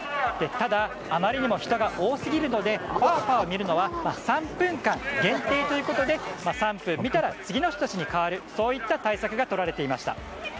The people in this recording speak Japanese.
ただ、あまりに人が多すぎるのでファーファーを見るのは３分間限定ということで３分見たら次の人たちに代わるといった対策が取られていました。